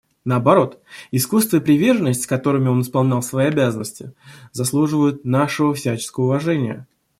Наоборот, искусство и приверженность, с которыми он исполнял свои обязанности, заслуживают нашего всяческого уважения.